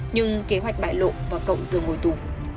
nhưng kế hoạch bại lộ và cậu dừa ngồi tù